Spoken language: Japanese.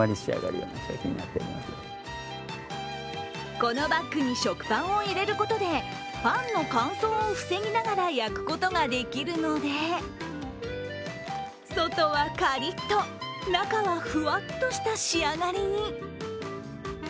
このバッグに食パンを入れることでパンの乾燥を防ぎながら焼くことができるので外はカリッと、中はふわっとした仕上がりに。